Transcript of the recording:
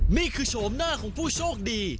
นี่คือโฉมหน้าของผู้โชคดี